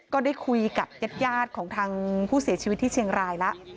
ก็ได้คุยกับญาติของทางผู้เสียชีวิตที่เชียงรายแล้ว